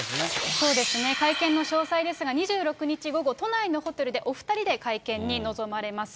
そうですね、会見の詳細ですが、２６日午後、都内のホテルでお２人で会見に臨まれます。